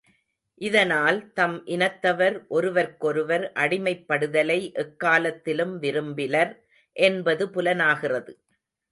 இதனால் தம் இனத்தவர் ஒருவர்க்கொருவர் அடிமைப்படுதலை எக்காலத்திலும் விரும்பிலர் என்பது புலனாகிறது.